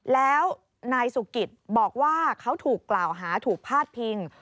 แล้วนายสุกิตบอกว่าเขาถูกกล่าวหาถูกพาดพิง